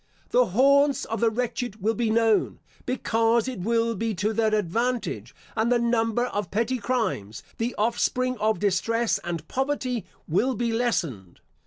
The haunts of the wretched will be known, because it will be to their advantage; and the number of petty crimes, the offspring of distress and poverty, will be lessened.